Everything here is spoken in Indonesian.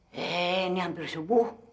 hei ini hampir subuh